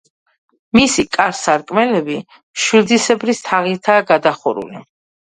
მისი კარ-სარკმლები მშვილდისებრი თაღითაა გადახურული.